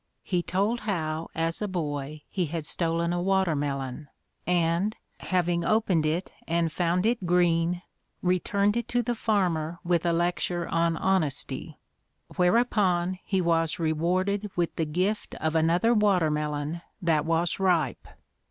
He told how as a boy he had stolen a watermelon and, having opened it and found it green, returned it to the farmer with a lecture on honesty; whereupon, he was rewarded with the gift of another watermelon that was ripe.